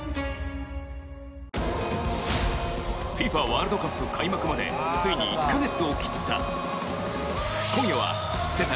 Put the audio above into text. ワールドカップ開幕までついに１カ月を切った。